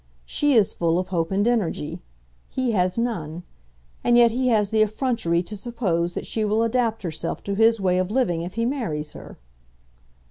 She is full of hope and energy. He has none. And yet he has the effrontery to suppose that she will adapt herself to his way of living if he marries her."